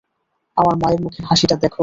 আমার মায়ের মুখের হাসিটা দেখো।